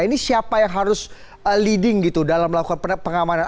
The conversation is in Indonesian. ini siapa yang harus leading gitu dalam melakukan pengamanan